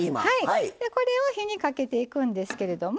これを火にかけていくんですけれども。